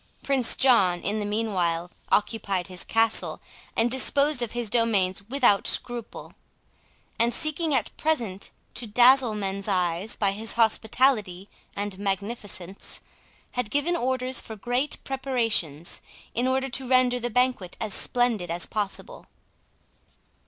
Prince John, in the meanwhile, occupied his castle, and disposed of his domains without scruple; and seeking at present to dazzle men's eyes by his hospitality and magnificence, had given orders for great preparations, in order to render the banquet as splendid as possible.